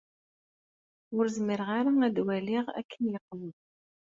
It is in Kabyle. Ur zmireɣ ara ad waliɣ akken iqwem.